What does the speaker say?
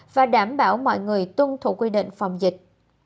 và đảm bảo mọi người tuân thủ quy định phòng dịch